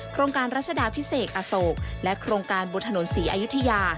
โครงการรัชดาพิเศษอโศกและโครงการบนถนนศรีอายุทยา